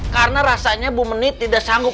karena rasanya bu meni tidak sanggup